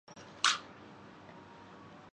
پاک فوج فضائی ہو، بحری ہو یا بری، اس وقت ہدف ہے۔